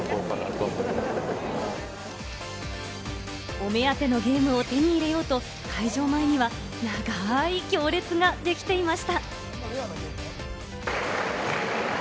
お目当てのゲームを手に入れようと、会場前には長い行列ができていました。